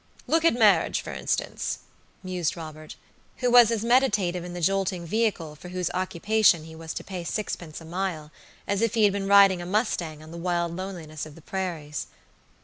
Look at marriages, for instance," mused Robert, who was as meditative in the jolting vehicle, for whose occupation he was to pay sixpence a mile, as if he had been riding a mustang on the wild loneliness of the prairies.